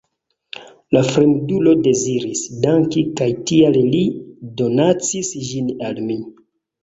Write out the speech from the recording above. La fremdulo deziris danki kaj tial li donacis ĝin al mi.